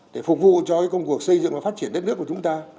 để phục vụ cho công cuộc xây dựng và phát triển đất nước của chúng ta